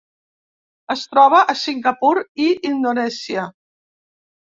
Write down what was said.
Es troba a Singapur i Indonèsia.